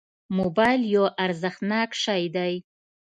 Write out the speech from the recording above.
موبایل یو ارزښتناک شی دی.